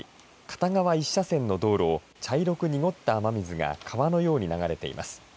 片側一車線の道路を茶色く濁った雨水が川のように流れています。